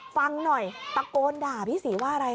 ฟังหน่อยตะโกนด่าพี่ศรีว่าอะไร